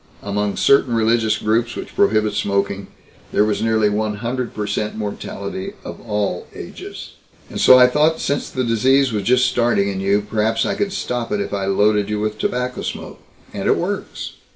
Among certain religious groups which prohibit smoking there was nearly one hundred per cent mortality of all ages! "And so I thought since the disease was just starting in you, perhaps I could stop it if I loaded you with tobacco smoke. And it works!"